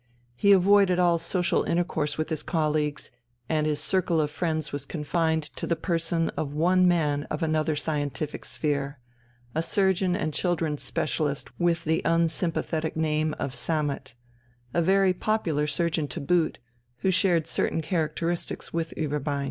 He avoided all social intercourse with his colleagues, and his circle of friends was confined to the person of one man of another scientific sphere, a surgeon and children's specialist with the unsympathetic name of Sammet, a very popular surgeon to boot, who shared certain characteristics with Ueberbein.